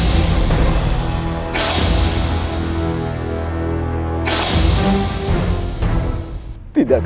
aku tidak mau seperti ini kakak